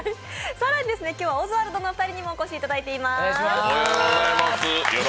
更に、今日はですね、オズワルドのお二人にもお越しいただいています。